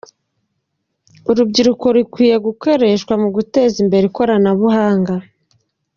Urubyiruko rukwiye gukoreshwa mu guteza imbere ikoranabuhanga .